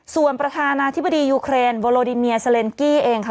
ส่วนประธานาธิบดียูเครนโบโลดิเมียเซเลนกี้เองค่ะ